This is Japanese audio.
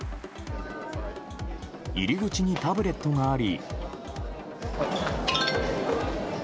入り口にタブレットがあり。